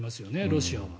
ロシアは。